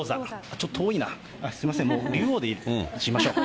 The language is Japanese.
ちょっと遠いな、すみません、もう竜王でいきましょう。